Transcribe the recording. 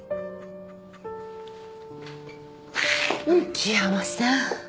秋山さん。